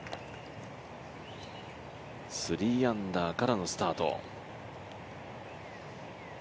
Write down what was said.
３アンダーからのスタート。